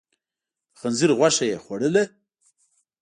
د خنزير غوښه يې خوړله؟